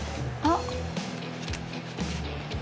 あっ。